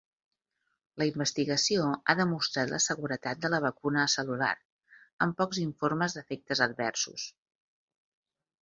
La investigació ha demostrat la seguretat de la vacuna acel·lular, amb pocs informes d'efectes adversos.